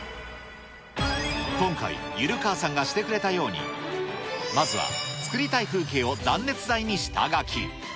今回、ゆるかわさんがしてくれたように、まずは作りたい風景を断熱材に下描き。